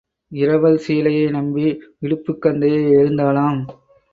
இரவல் சீலையை நம்பி இடுப்புக் கந்தையை எறிந்தாளாம்.